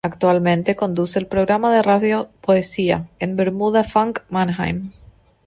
Actualmente, conduce el programa de radio "Poesía", en Bermuda Funk, Mannheim.